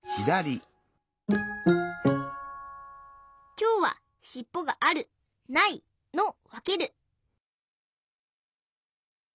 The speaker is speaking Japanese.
きょうは「しっぽがあるない」のわける！